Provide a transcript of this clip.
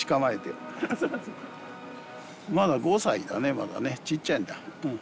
まだ５歳だねまだねちっちゃいんだ。